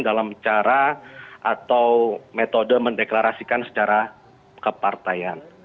dalam cara atau metode mendeklarasikan secara kepartaian